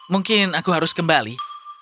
mungkin aku harus kembali